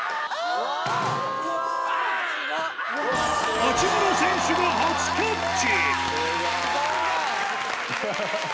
八村選手が初キャッチ。